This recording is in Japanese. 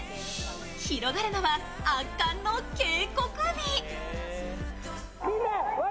広がるのは、圧巻の渓谷美。